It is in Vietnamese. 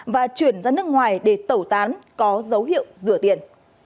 và chuyển ra nước ngoài để tẩu tán có dấu hiệu rửa tiền